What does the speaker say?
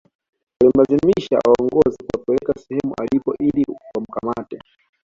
Walimlazimisha awaongoze kuwapeleka sehemu alipo ili wamkamate